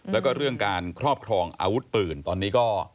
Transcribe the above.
แล้วก็เรื่องการครอบครองอาวุธปืนตอนนี้ก็